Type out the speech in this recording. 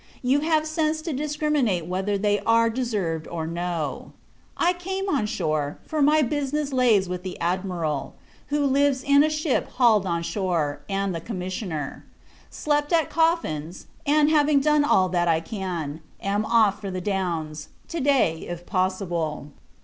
You have sense to discriminate whether they are deserved or no. I came on shore; for my business lays with the Admiral, who lives in a ship hauled on shore, and the Commisioner. Slept at Coffin's: and, having done all that I can, am off for the Downs; to day, if possible.